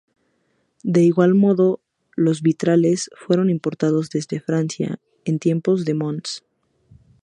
De igual modo, los vitrales fueron importados desde Francia en tiempos de Mons.